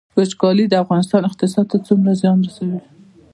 وچکالي د افغانستان اقتصاد ته څومره زیان رسوي؟